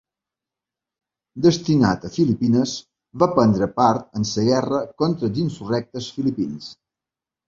Destinat a Filipines, va prendre part en la guerra contra els insurrectes filipins.